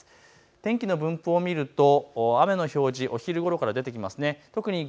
天気の分布を見ると雨の表示、お昼ごろまで出てきます。